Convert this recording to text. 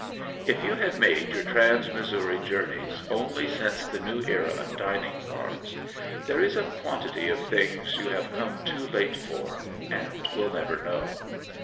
If you have made your trans Missouri journeys only since the new era of dining cars, there is a quantity of things you have come too late for, and will never know.